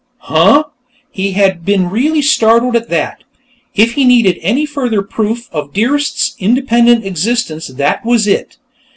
"Huh?" He had been really startled at that. If he needed any further proof of Dearest's independent existence, that was it.